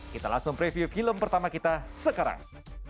kita langsung preview film pertama kita sekarang